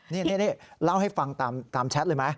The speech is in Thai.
นี่เล่าให้ฟังตามแชทเลยไหม